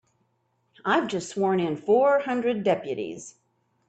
I've just sworn in four hundred deputies.